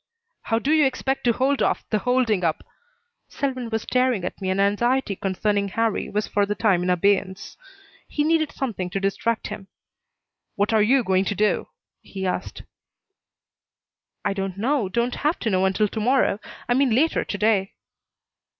"How do you expect to hold off the holding up?" Selwyn was staring at me and anxiety concerning Harrie was for the time in abeyance. He needed something to distract him. "What are you going to do?" he asked. "I don't know don't have to know until to morrow I mean later to day."